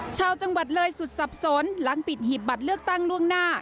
ชาวจังหวัดเลยสุดสับสนหลังปิดหีบบัตรเลือกตั้งล่วงหน้า